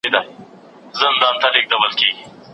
د خیال نیلی دي د جنون له بیابانه نه ځي